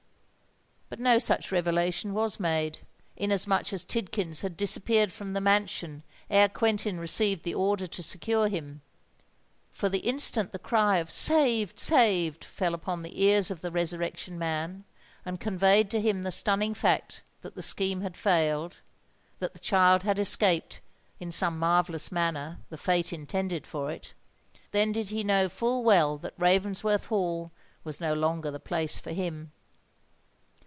But no such revelation was made, inasmuch as Tidkins had disappeared from the mansion ere Quentin received the order to secure him. For the instant the cry of "Saved! saved!" fell upon the ears of the Resurrection Man and conveyed to him the stunning fact that the scheme had failed—that the child had escaped, in some marvellous manner, the fate intended for it,—then did he know full well that Ravensworth Hall was no longer the place for him.